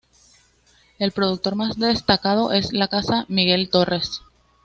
El productor más destacado es la casa Miguel Torres.